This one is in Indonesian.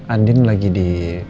andin lagi di